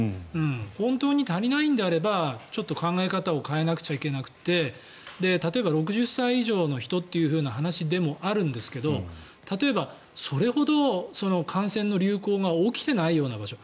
本当に足りないのであればちょっと考え方を変えないといけなくて例えば、６０歳以上の人という話でもあるんですけど例えば、それほど感染の流行が起きていないような場所